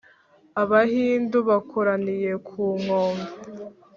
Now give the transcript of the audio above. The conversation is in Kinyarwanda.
abahindu bakoraniye ku nkombe